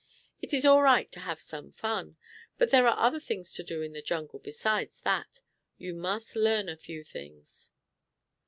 "It is all right to have some fun, but there are other things to do in the jungle besides that. You must learn a few things."